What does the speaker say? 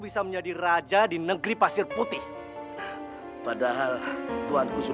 jangan menangis terus